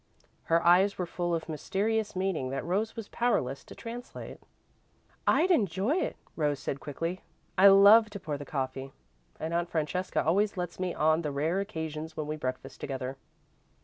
Her eyes were full of mysterious meaning that Rose was powerless to translate. "I'd enjoy it," Rose said quickly. "I love to pour the coffee and Aunt Francesca always lets me on the rare occasions when we breakfast together."